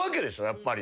やっぱり。